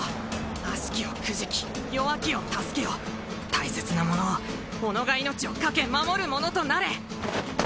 悪しきをくじき弱きを助けよ大切なものを己が命を懸け守る者となれ